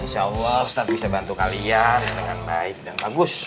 insya allah ustadz bisa bantu kalian dengan baik dan bagus